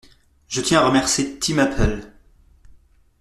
Je tiens à remercier Tim Apple.